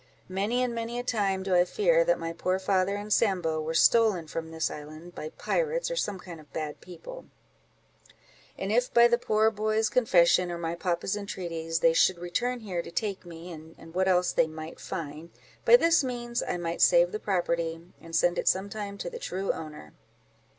Many and many a time, do I fear that my poor father and Sambo were stolen from this island, by pirates, or some kind of bad people; and if by the poor boy's confession, or my papa's entreaties, they should return here to take me, and what else they might find, by this means I might save the property, and send it some time to the true owner."